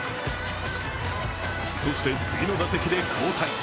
そして、次の打席で交代。